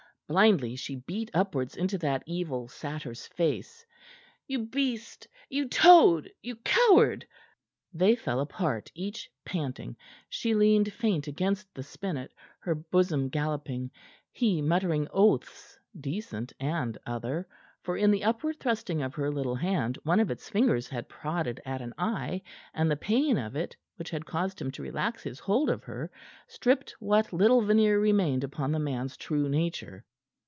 Blindly she beat upwards into that evil satyr's face. "You beast! You toad! You coward!" They fell apart, each panting; she leaning faint against the spinet, her bosom galloping; he muttering oaths decent and other for in the upward thrusting of her little hand one of its fingers had prodded at an eye, and the pain of it which had caused him to relax his hold of her stripped what little veneer remained upon the man's true nature.